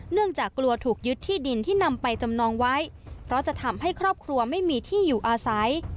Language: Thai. เนื่องจากกลัวถูกยึดที่ดินที่นำไปจำนองไว้เพราะจะทำให้ครอบครัวไม่มีที่อยู่อาศัย